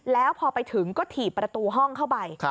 แล้วพอไปถึงก็ถีบประตูห้องเข้าไป